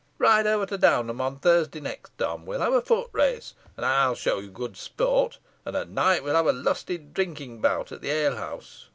Ride over to Downham on Thursday next, Tom. We're to have a foot race, and I'll show you good sport, and at night we'll have a lusty drinking bout at the alehouse.